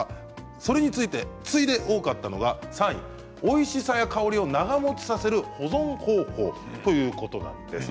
それに次いで多かったのが３位おいしさや香りを長もちさせる保存方法ということです。